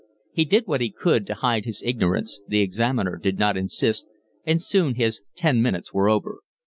He did what he could to hide his ignorance, the examiner did not insist, and soon his ten minutes were over.